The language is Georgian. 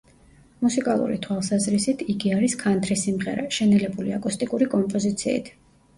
მუსიკალური თვალსაზრისით იგი არის ქანთრი სიმღერა, შენელებული აკუსტიკური კომპოზიციით.